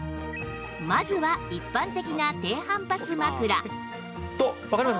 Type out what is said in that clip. まずは一般的な低反発枕わかります？